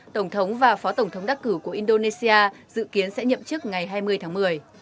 tổng thống và phó tổng thống đắc cử của indonesia dự kiến sẽ nhậm chức ngày hai mươi tháng một mươi